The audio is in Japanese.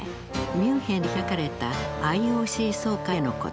ミュンヘンで開かれたＩＯＣ総会でのこと。